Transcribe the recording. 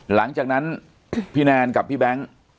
หลังจากนั้นพี่แนนกับพี่แบงค์